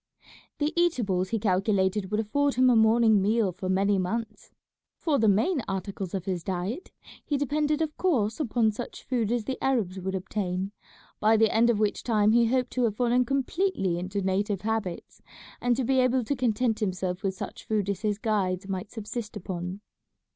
The eatables he calculated would afford him a morning meal for many months for the main articles of his diet, he depended of course upon such food as the Arabs would obtain by the end of which time he hoped to have fallen completely into native habits, and to be able to content himself with such food as his guides might subsist upon.